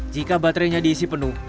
jika baterainya diisi penuh